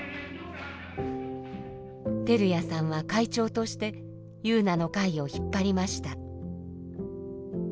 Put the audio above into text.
照屋さんは会長としてゆうなの会を引っ張りました。